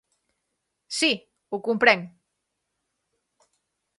Sí, ho comprenc.